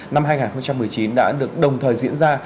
năm hai nghìn một mươi chín đã được đồng thời diễn ra